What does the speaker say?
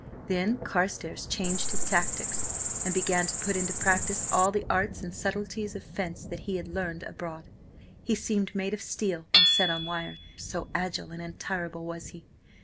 Then Carstares changed his tactics, and began to put into practice all the arts and subtleties of fence that he had learnt abroad. He seemed made of steel and set on wires, so agile and untireable was he.